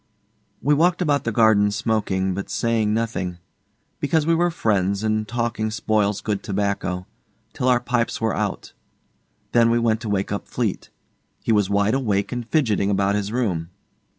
We walked about the garden smoking, but saying nothing because we were friends, and talking spoils good tobacco till our pipes were out. Then we went to wake up Fleete. He was wide awake and fidgeting about his room.